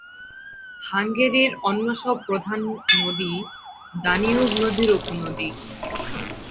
হাঙ্গেরির অন্য সব প্রধান নদীই দানিউব নদীর উপনদী।